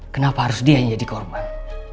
kenapa harus dia yang jadi korban